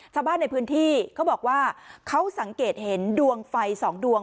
ชาวบ้านในพื้นที่เขาบอกว่าเขาสังเกตเห็นดวงไฟสองดวง